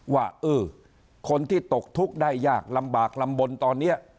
ว่าเออคนที่ตกทุกข์ได้ยากลำบากลำบลตอนนี้